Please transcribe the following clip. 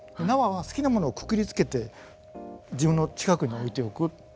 縄は好きなものをくくりつけて自分の近くに置いておく。